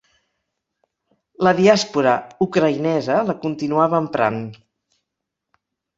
La diàspora ucraïnesa la continuava emprant.